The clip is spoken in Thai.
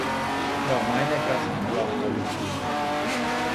ดอกไม้ในกระถางรอเอาลงดิน